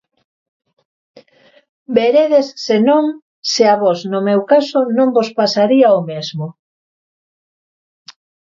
Veredes, senón, se a vós no meu caso non vos pasaría o mesmo...